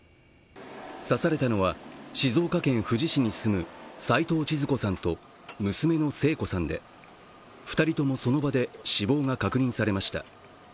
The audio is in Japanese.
刺されたのは静岡県富士市に住む齊藤ちづ子さんと娘の聖子さんで２人ともその場で死亡が確認されました。